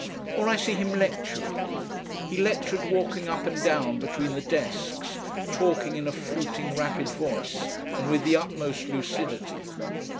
Or I see him lecturing. He lectured walking up and down between the desks, talking in a fluting rapid voice, and with the utmost lucidity.